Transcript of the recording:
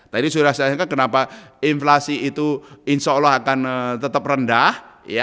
tadi sudah saya katakan kenapa inflasi itu insya allah akan tetap rendah